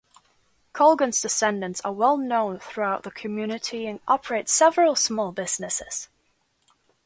Colgan's descendants are well known throughout the community and operate several small businesses.